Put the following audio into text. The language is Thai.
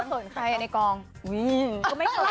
คุณค่ะคุณค่ะคุณค่ะคุณค่ะคุณค่ะ